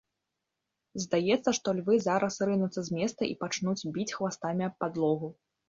Здаецца, што львы зараз рынуцца з месца і пачнуць біць хвастамі аб падлогу.